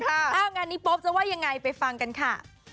งานนี้โป๊ปจะว่ายังไงไปฟังกันค่ะ